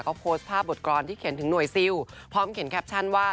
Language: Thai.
ก็โพสต์ภาพบทกรณ์ที่เขียนถึงหน่วยซิลพร้อมเขียนแคปชั่นว่า